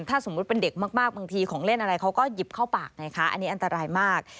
ถ้าสมมุติเป็นเด็กมากบางทีของเล่นอะไรเขาก็หยิบเข้าปากไงคะอันนี้อันตรายมาก